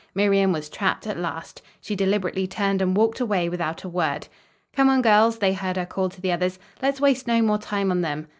Miriam was trapped at last. She deliberately turned and walked away without a word. "Come on, girls," they heard her call to the others, "let's waste no more time on them."